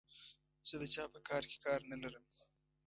زه د چا په کار کې کار نه لرم.